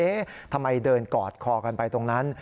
ทำไมเดินกอดคอกันไปตรงนั้น